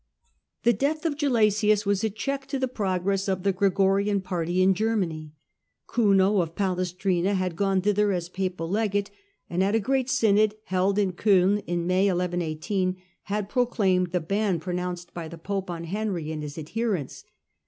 The death of Gelasius was a check to the progress of the Gregorian party in Germany. Kuno of Pales trina had gone thither as papal legate, and at a great synod, held in Coin in May 1118, had proclaimed the ban pronounced by the pope on Henry and his adhe rents.